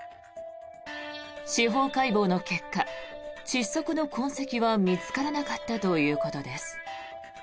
司法解剖の結果窒息の痕跡は見つからなかったということです。